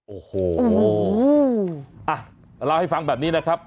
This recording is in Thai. โอ้โหอ่ะเล่าให้ฟังแบบนี้นะครับ